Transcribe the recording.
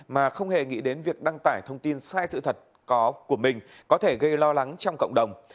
mà không hề nghĩ đến việc đăng tải thông tin sai sự thật có của mình có thể gây lo lắng trong cộng đồng